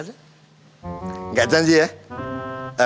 enggak janji ya